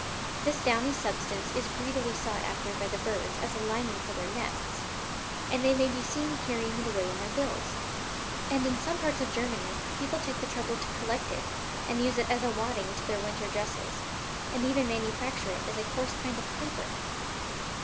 This downy substance is greedily sought after by the birds as a lining for their nests, and they may be seen carrying it away in their bills. And in some parts of Germany people take the trouble to collect it and use it as a wadding to their winter dresses, and even manufacture it into a coarse kind of paper."